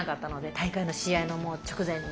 大会の試合の直前に。